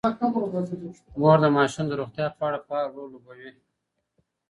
مور د ماشومانو د روغتیا په اړه فعال رول لوبوي.